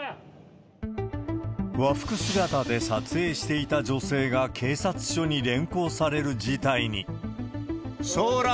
和服姿で撮影していた女性が警察署に連行される事態に。